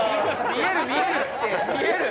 見える！